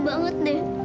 aneh banget deh